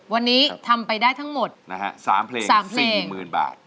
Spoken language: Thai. วันนี้ทำไปได้ทั้งหมด๓เพลง๔๐๐๐๐บาท